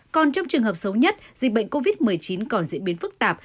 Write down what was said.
còn trong trường hợp xấu nhất dịch bệnh covid một mươi chín còn diễn biến phức tạp